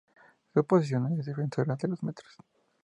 Su posición es defensora de dos metros.